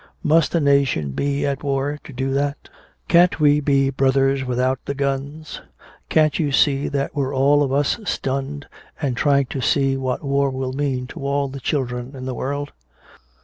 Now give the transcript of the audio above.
Must a nation be at war to do that? Can't we be brothers without the guns? Can't you see that we're all of us stunned, and trying to see what war will mean to all the children in the world?